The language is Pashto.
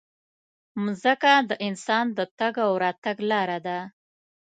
مځکه د انسان د تګ او راتګ لاره ده.